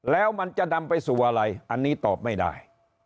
แล้วมันจะนำไปสู่อะไรอันนี้ตอบไม่ได้